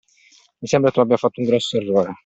Mi sembra tu abbia fatto un grosso errore.